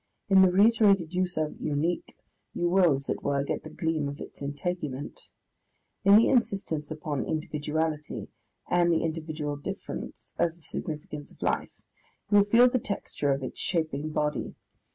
In the reiterated use of "Unique," you will, as it were, get the gleam of its integument; in the insistence upon individuality, and the individual difference as the significance of life, you will feel the texture of its shaping body.